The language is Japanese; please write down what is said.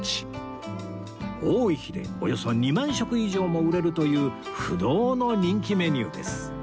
多い日でおよそ２万食以上も売れるという不動の人気メニューです